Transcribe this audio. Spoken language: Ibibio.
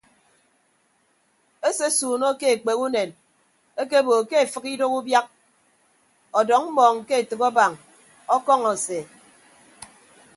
Esesuunọ ke ekpek unen ekeebo ke efịk idooho ubiak ọdọñ mmọọñ ke etәk abañ ọkọñọ ase.